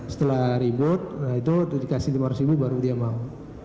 setelah ribut itu dikasih lima ratus ribu baru dia mau